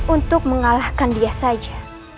untuk mengalahkan dia saja